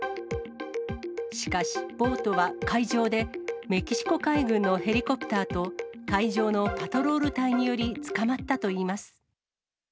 しかし、ボートは海上でメキシコ海軍のヘリコプターと、海上のパトロール隊により、捕まったといいます。